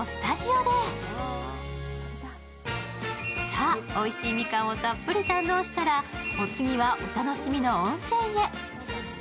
さぁ、おいしいみかんをたっぷり堪能したらお次は、お楽しみの温泉へ。